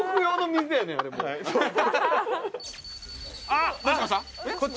あっ！